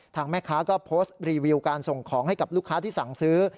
ทางแม่ค้าก็โพสต์รีวิวการส่งของให้กับลูกค้าที่สั่งซื้อ